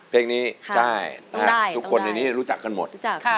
เพลงนี้ใช่ทุกคนในนี้รู้จักกันหมด